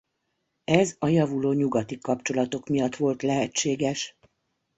Ez a javuló nyugati kapcsolatok miatt volt lehetséges.